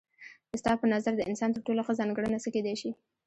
ستا په نظر د انسان تر ټولو ښه ځانګړنه څه کيدای شي؟